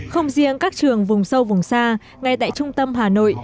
không riêng các trường vùng sâu vùng xa ngay tại trung tâm hà nội